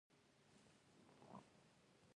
دا سرک شپږ کیلومتره اوږدوالی لري او ما سروې کړی دی